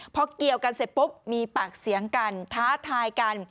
พอเกี่ยวกันเสร็จปุ๊บมีปากเสียงกันท้าทายกัน